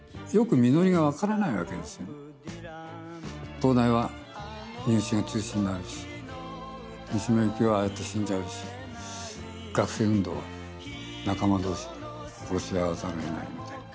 東大は入試が中止になるし三島由紀夫はああやって死んじゃうし学生運動は仲間同士で殺し合わざるをえないみたいな。